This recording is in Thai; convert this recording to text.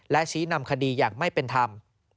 และชี้นำคดีอย่างไม่เป็นธรรม